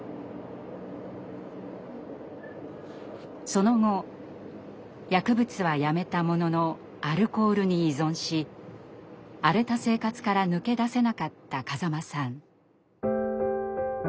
その後薬物はやめたもののアルコールに依存し荒れた生活から抜け出せなかった風間さん。